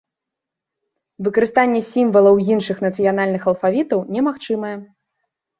Выкарыстанне сімвалаў іншых нацыянальных алфавітаў немагчымае.